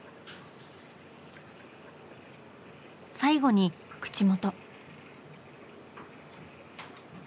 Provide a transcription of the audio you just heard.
最後に口元。